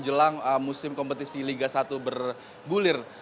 jelang musim kompetisi liga satu bergulir